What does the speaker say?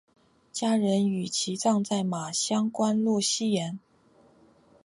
家人将其葬在马乡官路西沿。